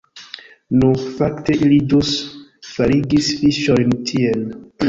Nu, fakte ili ĵus faligis fiŝojn tien